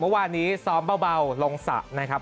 วันนี้ซ้อมเบาลงสระนะครับ